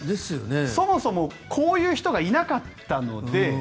そもそもこういう人がいなかったので。